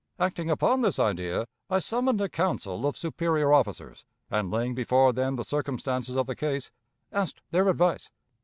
Acting upon this idea, I summoned a council of superior officers, and, laying before them the circumstances of the case, asked their advice.